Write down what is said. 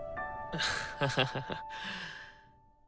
ハハハハ。